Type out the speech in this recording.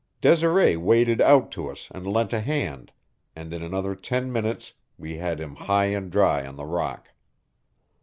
Desiree waded out to us and lent a hand, and in another ten minutes we had him high and dry on the rock.